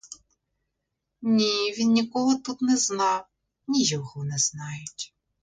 Ні він нікого тут не зна, ні його не знають.